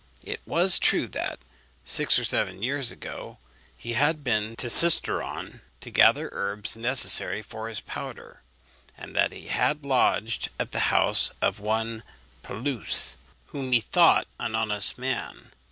It was true that, six or seven years ago, he had been to Cisteron to gather herbs necessary for his powder, and that he had lodged at the house of one Pelouse, whom he thought an honest man.